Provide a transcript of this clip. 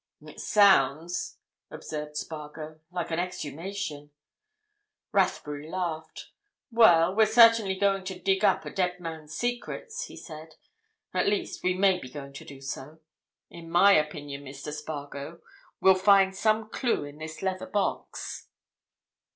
"It sounds," observed Spargo, "like an exhumation." Rathbury laughed. "Well, we're certainly going to dig up a dead man's secrets," he said. "At least, we may be going to do so. In my opinion, Mr. Spargo, we'll find some clue in this leather box."